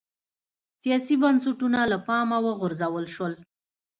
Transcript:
سیاسي بنسټونه له پامه وغورځول شول